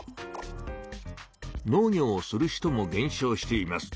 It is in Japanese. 農業をする人もげん少しています。